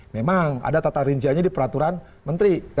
memang ada tata rinciannya di peraturan menteri